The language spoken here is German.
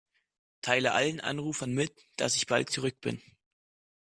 Teile allen Anrufern mit, dass ich bald zurück bin.